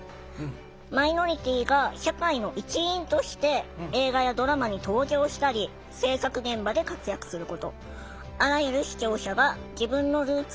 マイノリティーが社会の一員として映画やドラマに登場したり制作現場で活躍すること。